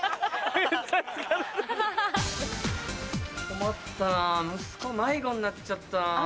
困ったな息子迷子になっちゃった。